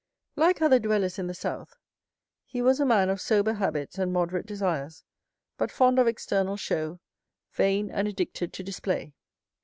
0323m Like other dwellers in the south, he was a man of sober habits and moderate desires, but fond of external show, vain, and addicted to display.